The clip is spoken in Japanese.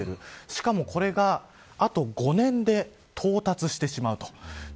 しかも、これがあと５年で到達してしまうと。